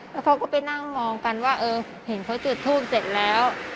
แล้วเขาก็ไปนั่งมองกันว่าเออเห็นเขาจุดทูปเสร็จแล้ว